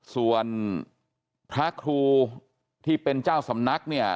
ส่วนพระครูที่เป็นเจ้าสำนักเนี่ย